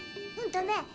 うんとね